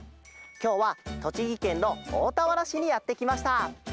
きょうはとちぎけんのおおたわらしにやってきました！